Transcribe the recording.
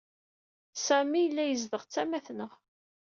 Sami yella izdeɣ ttama-t-nneɣ.